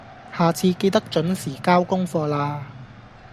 下次記得準時交功課喇